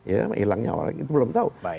ya hilangnya orang itu belum tahu